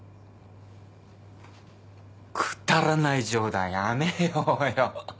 くだらない冗談やめようよ。